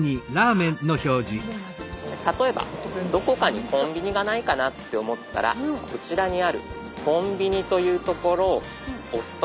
例えばどこかにコンビニがないかなって思ったらこちらにある「コンビニ」という所を押すと。